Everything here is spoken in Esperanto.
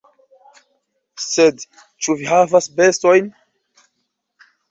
Sed, ĉu vi havas bestojn?